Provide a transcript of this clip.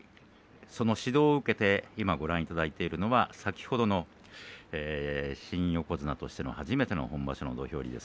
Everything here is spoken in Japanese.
その指導を受けて今ご覧いただいているのは先ほどの新横綱としての初めての今場所の土俵入りです。